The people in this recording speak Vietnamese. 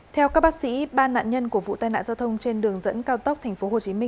theo các bác sĩ ba nạn nhân của vụ tai nạn giao thông trên đường dẫn cao tốc tp hcm